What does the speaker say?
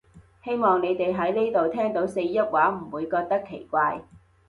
希望你哋喺呢度聽到四邑話唔會覺得奇怪